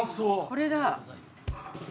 これだ！